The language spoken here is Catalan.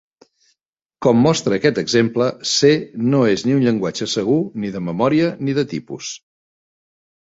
Com mostra aquest exemple, C no és ni un llenguatge segur ni de memòria ni de tipus.